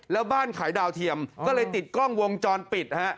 แล้วบ้านขายดาวเทียมก็เลยติดกล้องวงจรปิดฮะ